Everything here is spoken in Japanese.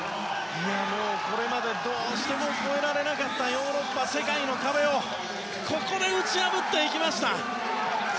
これまでどうしても超えられなかったヨーロッパ世界の壁をここで打ち破っていきました。